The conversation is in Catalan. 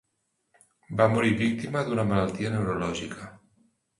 Va morir víctima d'una malaltia neurològica.